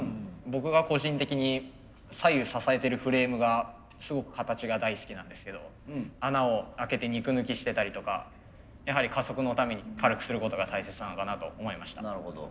僕が個人的に左右支えてるフレームがすごく形が大好きなんですけど穴を開けて肉抜きしてたりとかやはり加速のために軽くすることが大切なのかなと思いました。